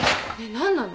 何なの？